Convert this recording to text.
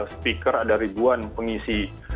speaker ada ribuan pengisi